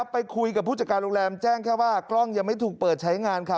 ไปคุยกับผู้จัดการโรงแรมแจ้งแค่ว่ากล้องยังไม่ถูกเปิดใช้งานค่ะ